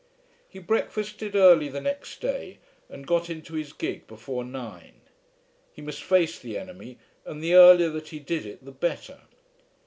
He breakfasted early the next day, and got into his gig before nine. He must face the enemy, and the earlier that he did it the better.